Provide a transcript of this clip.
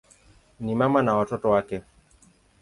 Ni mama na watoto wake.